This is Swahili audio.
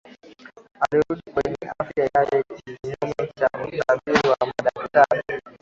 alirudi kwenye afya yake kinyume na utabiri wa madaktari